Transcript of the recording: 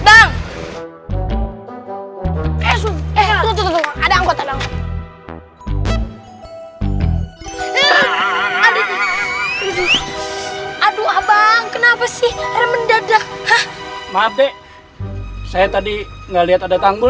aduh aduh abang kenapa sih mendadak hah mabek saya tadi enggak lihat ada tanggul